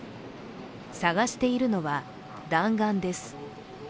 捜しているのは弾丸です。